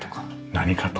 何かと。